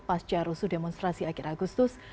pasca rusuh demonstrasi akhir agustus